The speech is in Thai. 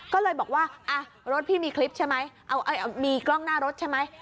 ก็เลยบอกว่ารถพี่มีคลิปใช่ไหมมีกล้องหน้ารถใช่ไหม